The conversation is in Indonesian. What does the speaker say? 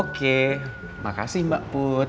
oke makasih mbak put